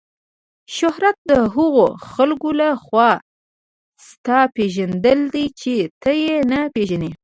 شهرت د هغو خلکو له خوا ستا پیژندل دي چې ته یې نه پیژنې.